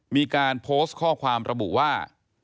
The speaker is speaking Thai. มีการโพสต์ข้อความระบุว่า